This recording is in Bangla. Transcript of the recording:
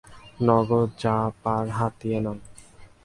নগদ যা পার হাতিয়ে নাও।